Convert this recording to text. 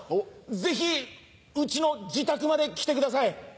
ぜひうちの自宅まで来てください。